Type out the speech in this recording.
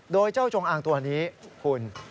โดยเจ้าจงอางตัวนี้คุณ